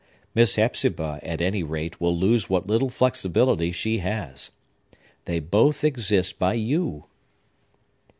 Miss Hepzibah, at any rate, will lose what little flexibility she has. They both exist by you."